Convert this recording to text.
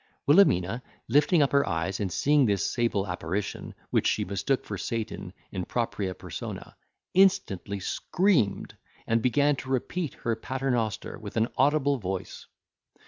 Wilhelmina, lifting up her eyes, and seeing this sable apparition, which she mistook for Satan in propria persona, instantly screamed, and began to repeat her pater noster with an audible voice.